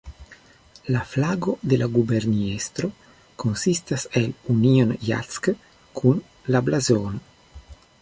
La flago de la guberniestro konsistas el Union Jack kun la blazono.